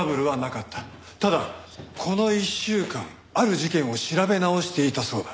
ただこの１週間ある事件を調べ直していたそうだ。